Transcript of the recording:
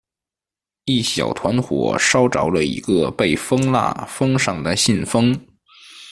一小团火烧着了一个被封蜡封上的信封。